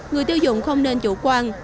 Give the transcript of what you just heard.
người tiêu dụng không nên chủ quan